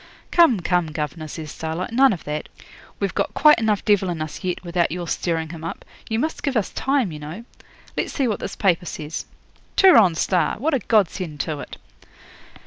'Come, come, governor,' says Starlight, 'none of that. We've got quite enough devil in us yet, without your stirring him up. You must give us time, you know. Let's see what this paper says. "Turon Star"! What a godsend to it!